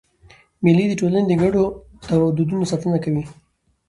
مېلې د ټولني د ګډو دودونو ساتنه کوي.